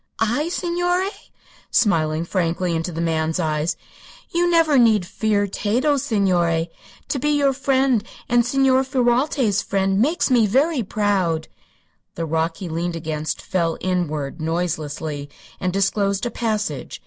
"I, signore?" smiling frankly into the man's eyes; "you need never fear Tato, signore. To be your friend, and Signor Ferralti's friend, makes me very proud." The rock he leaned against fell inward, noiselessly, and disclosed a passage.